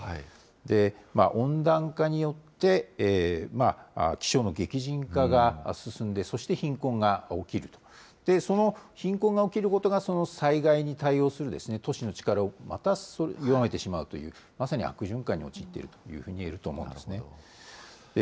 温暖化によって気象の激甚化が進んで、そして貧困が起きると、その貧困が起きることが、災害に対応する都市の力をまた弱めてしまうという、まさに悪循環に陥っているというふうに言えると思いますね。